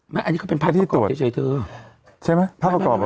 ไม่อันนี้ก็เป็นภาพประกอบเฉยเธอใช่ไหมภาพประกอบเหรออ๋ออ๋อ